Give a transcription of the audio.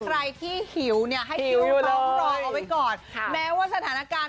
ใครที่หิวเนี่ยให้ลองรอเอาไว้ก่อนค่ะแม้ว่าสถานะการณ์